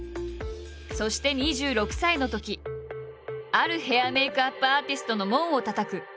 そして２６歳のときあるヘア＆メイクアップアーティストの門をたたく。